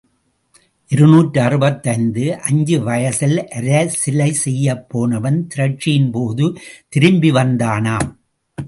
இருநூற்று அறுபத்தைந்து அஞ்சு வயசில் அரசிலை செய்யப் போனவன் திரட்சியின்போது திரும்பி வந்தானாம்.